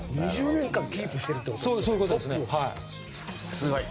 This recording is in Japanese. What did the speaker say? ２０年間トップをキープしていると。